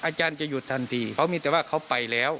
อาจารย์จะหยุดทันทีเขามีแต่ว่าเขาไปแล้ว